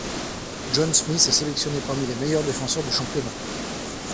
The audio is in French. Josh Smith est sélectionné parmi les meilleurs défenseurs du championnat.